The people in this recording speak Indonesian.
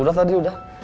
udah tadi udah